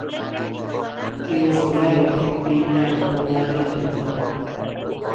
اهو سوره زخرف جي آيت مان واضح ٿئي ٿو